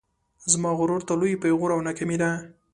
زما غرور ته لوی پیغور او ناکامي ده